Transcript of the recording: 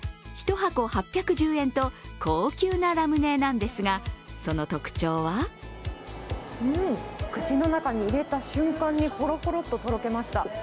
１箱８１０円と高級なラムネなんですが、その特徴は口の中に入れた瞬間にほろほろととろけました。